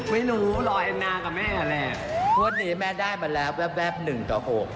ไม่รู้รอแอนนากับแม่นั่นแหละงวดนี้แม่ได้มาแล้วแวบหนึ่งต่อหก